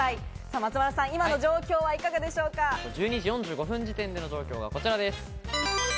松丸さん、今の状況は１２時４５分現在の投票状況はこちらです。